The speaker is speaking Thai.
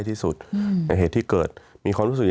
มีความรู้สึกว่ามีความรู้สึกว่า